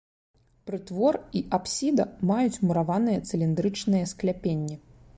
Прытвор і апсіда маюць мураваныя цыліндрычныя скляпенні.